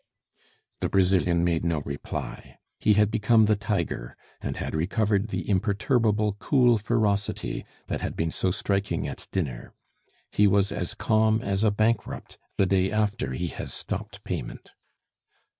The Brazilian made no reply. He had become the tiger, and had recovered the imperturbable cool ferocity that had been so striking at dinner. He was as calm as a bankrupt the day after he has stopped payment.